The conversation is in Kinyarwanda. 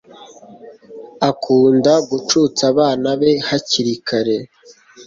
akunda gucutsa abana be hakiri kare